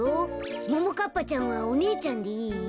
ももかっぱちゃんはおねえちゃんでいい？